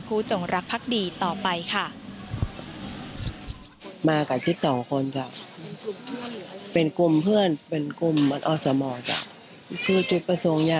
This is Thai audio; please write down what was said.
จงรักพักดีต่อไปค่ะ